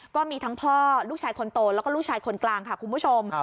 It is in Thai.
ก็มีทั้งพ่อลูกชายคนโตแล้วก็ลูกชายคนกลางค่ะคุณผู้ชม